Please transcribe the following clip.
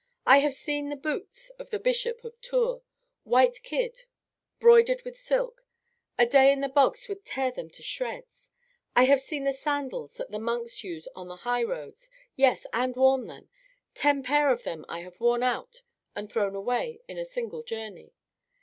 I have seen the boots of the Bishop of Tours, white kid, broidered with silk; a day in the bogs would tear them to shreds. I have seen the sandals that the monks use on the highroads, yes, and worn them; ten pair of them have I worn out and thrown away in a single journey.